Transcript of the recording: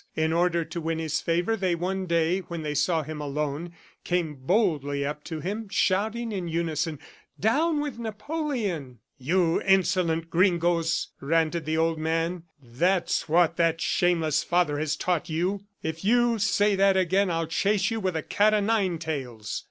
In order to win his favor, they one day when they saw him alone, came boldly up to him, shouting in unison, "Down with Napoleon!" "You insolent gringoes!" ranted the old man. "That's what that shameless father has taught you! If you say that again, I'll chase you with a cat o nine tails.